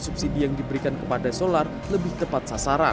subsidi yang diberikan kepada solar lebih tepat sasaran